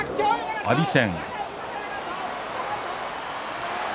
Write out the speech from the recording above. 阿炎戦。